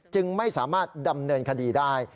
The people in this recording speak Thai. จึงไม่สามารถดำเนินคดีได้